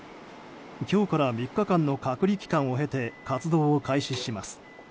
今日から３日間の隔離期間を経て活動を開始します。